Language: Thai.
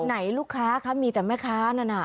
ไหนลูกค้าคะมีแต่แม่ค้านั่นน่ะ